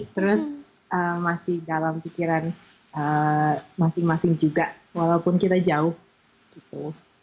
terus masih dalam pikiran masing masing juga walaupun kita jauh gitu